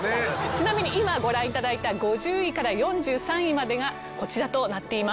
ちなみに今ご覧頂いた５０位から４３位までがこちらとなっています。